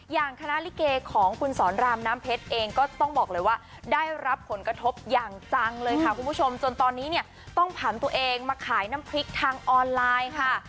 อย่างคณะลิเกของคุณสอนรามน้ำเพชรเองก็ต้องบอกเลยว่าได้รับผลกระทบอย่างจังเลยค่ะคุณผู้ชมจนตอนนี้เนี่ยต้องผันตัวเองมาขายน้ำพริกทางออนไลน์ค่ะ